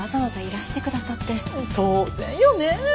当然よねえ。